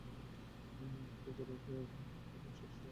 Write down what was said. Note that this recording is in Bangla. যদি গুরু ভাইকে না ছাড়িস, সবাইকে আমি পিষে ফেলবো।